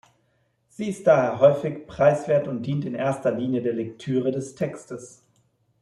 Sie ist daher häufig preiswert und dient in erster Linie der Lektüre des Textes.